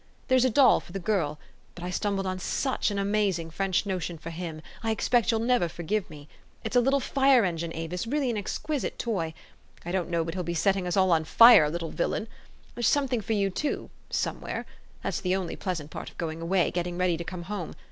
There's a doll for the girl ; but I stumbled on such an amaz ing French notion for him: I expect 3^011' 11 never forgive me. It's a little fire engine, Avis, really an exquisite toy. I don't know but he'll be set ting us all on fire, little villain ! There's something for you, too, somewhere. That's the only pleasant part of going away, getting ready to come home.